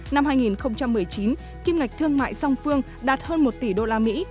năm hai nghìn một mươi chín kim ngạch thương mại song phương đạt hơn một tỷ đô la mỹ